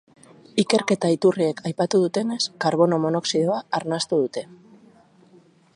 Ikerketa iturriek aipatu dutenez, karbono monoxidoa arnastu dute.